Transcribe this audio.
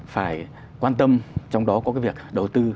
phải quan tâm trong đó có cái việc đầu tư